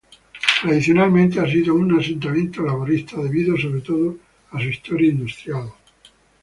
Tradicionalmente ha sido un "asentamiento" laborista, debido, sobre todo, a su historia industrial.